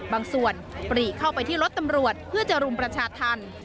บางส่วนปรีเข้าไปที่รถตำรวจเพื่อจะรุมประชาธรรม